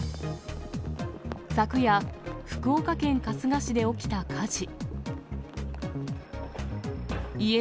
昨夜、福岡県春日市で起きた火事。